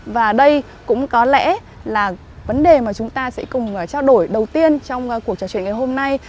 và đây cũng có lẽ là vấn đề mà chúng ta sẽ cùng trao đổi đầu tiên trong cuộc trò chuyện ngày hôm nay